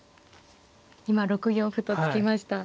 今６四歩と突きました。